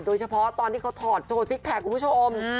โดยเฉพาะตอนที่เขาถอดโชว์ซิกแพคคุณผู้ชม